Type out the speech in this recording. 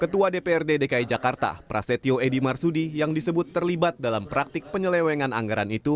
ketua dprd dki jakarta prasetyo edy marsudi yang disebut terlibat dalam praktik penyelewengan anggaran itu